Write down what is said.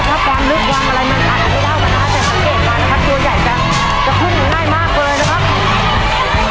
แต่ว่าถ้าจะหาตัวอีกก่อนนะครับตัวใหญ่จะขึ้นง่ายมากเลยนะครับ